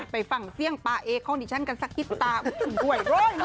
ไปฟังเสียงปลาเอของดิฉันกันสักกิ๊บตาด้วย